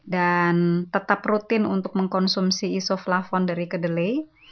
dan tetap rutin untuk mengkonsumsi isoflavon dari kedelai